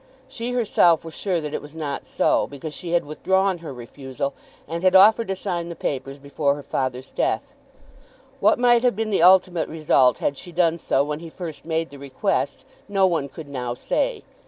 She herself was sure that it was not so, because she had withdrawn her refusal, and had offered to sign the papers before her father's death. What might have been the ultimate result had she done so when he first made the request, no one could now say.